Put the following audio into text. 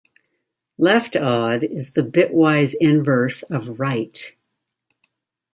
"Left odd" is the bitwise inverse of "right".